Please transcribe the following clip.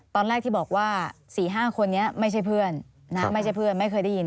ตอนแรกที่บอกว่าสี่ห้าคนนี้ไม่ใช่เพื่อนไม่เคยได้ยิน